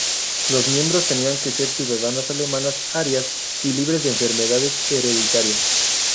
Las miembros tenían que ser ciudadanas alemanas, "arias", y libres de enfermedades hereditarias.